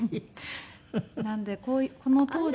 なんでこの当時。